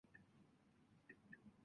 それから大急ぎで扉をあけますと、